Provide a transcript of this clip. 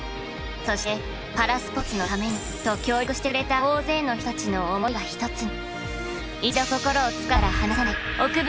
そしてパラスポーツのためにと協力してくれた大勢の人たちの思いが一つに。